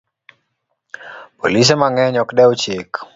Polise mang'eny ok dew chik